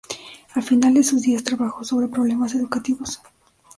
Al final de sus días trabajó sobre problemas educativos.